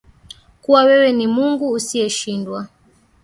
Kuwa wewe ni Mungu usiyeshindwa